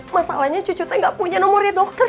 masalahnya cucu saya gak punya nomornya dokter